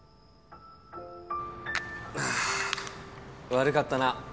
あー悪かったな。